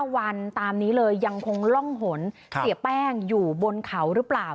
วันตามนี้เลยยังคงร่องหนเสียแป้งอยู่บนเขาหรือเปล่า